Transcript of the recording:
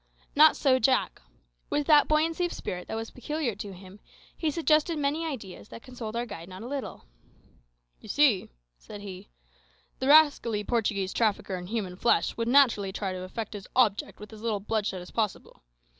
Not so, Jack. With that buoyancy of spirit that was peculiar to him, he suggested many ideas that consoled our guide not a little. "You see," said he, "the rascally Portuguese trafficker in human flesh would naturally try to effect his object with as little bloodshed as possible.